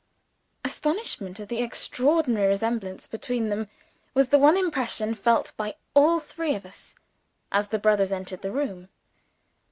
Astonishment at the extraordinary resemblance between them, was the one impression felt by all three of us, as the brothers entered the room.